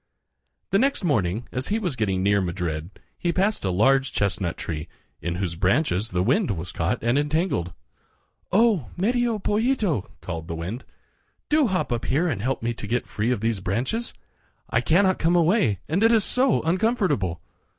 The next morning, as he was getting near Madrid, he passed a large chestnut tree, in whose branches the wind was caught and entangled. "Oh! Medio Pollito," called the wind, "do hop up here and help me to get free of these branches. I cannot come away and it is so uncomfortable."